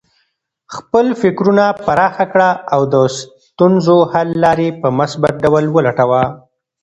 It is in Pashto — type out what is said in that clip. خپل فکرونه پراخه کړه او د ستونزو حل لارې په مثبت ډول ولټوه.